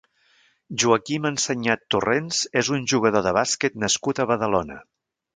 Joaquim Enseñat Torrents és un jugador de bàsquet nascut a Badalona.